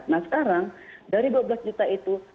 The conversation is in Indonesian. nah sekarang dari dua belas juta itu